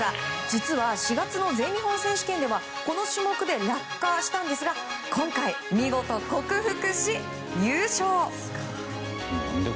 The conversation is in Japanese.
実は、４月の全日本選手権ではこの種目で落下したんですが今回、見事克服し優勝。